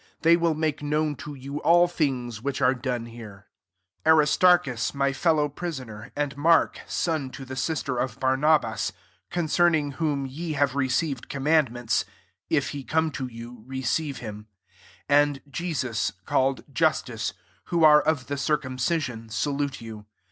They will make known to you all things which are done here.. 10 Aristarchus my fellow prisoner, and Mark son to the sister of Barnabas, concerning Whom ye have received com mandments, (if he come to you receive him,) 11 and Jesus called Justus, who are of the circumcision, salute you.